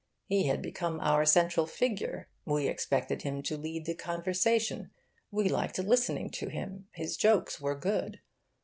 He had become our central figure, we expected him to lead the conversation, we liked listening to him, his jokes were good.